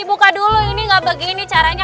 dibuka dulu ini gak begini caranya